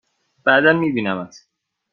بعدا می بینمت!